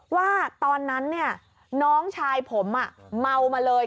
ว่าตอนนั้นเนี่ยน้องชายผมอะเมามาเลย